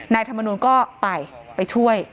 นายธรรมนุนก็ไปไปช่วย